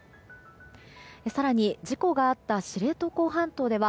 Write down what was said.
更に、事故があった知床半島では